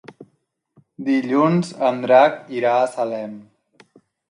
Dilluns en Drac irà a Salem.